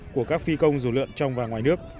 của các phi công dù lượn trong và ngoài nước